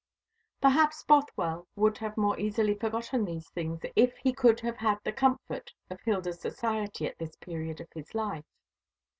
Perhaps Bothwell would have more easily forgotten these things if he could have had the comfort of Hilda's society at this period of his life.